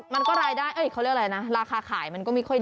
มันก็รายได้เขาเรียกอะไรนะราคาขายมันก็ไม่ค่อยดี